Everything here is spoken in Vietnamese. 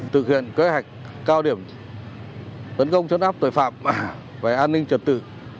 thực hiện kế hoạch cao điểm tấn công chấn áp tội phạm về an ninh trật tự